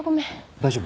大丈夫？